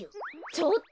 ちょっと！